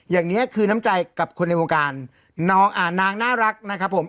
อย่างนี้คือน้ำใจกับคนในวงการนางน่ารักนะครับผม